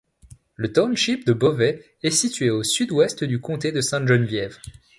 Le township de Beauvais est situé au sud-ouest du comté de Sainte-Geneviève.